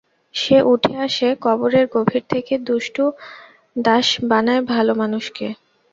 সে উঠে আসে কবরের গভীর থেকে দুষ্ট দাস বানায় ভালো মানুষকে!